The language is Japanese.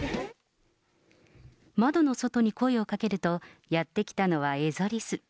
窓の外に声をかけると、やって来たのはエゾリス。